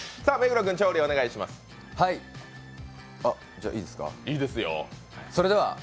じゃ、いいっすか。